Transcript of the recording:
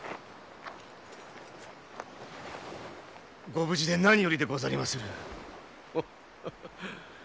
ご無事で何よりでござりまする。ハハハ